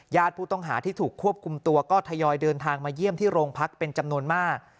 ผู้ต้องหาที่ถูกควบคุมตัวก็ทยอยเดินทางมาเยี่ยมที่โรงพักเป็นจำนวนมาก